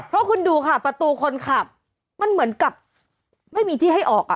เพราะคุณดูค่ะประตูคนขับมันเหมือนกับไม่มีที่ให้ออกอ่ะ